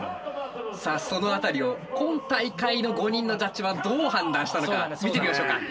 さあその辺りを今大会の５人のジャッジはどう判断したのか見てみましょうか。